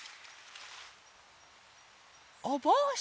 おぼうし！